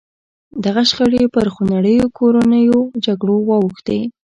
دغه شخړې پر خونړیو کورنیو جګړو واوښتې.